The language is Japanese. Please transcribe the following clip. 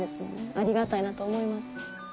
ありがたいなと思います。